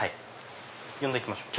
呼んできましょうか？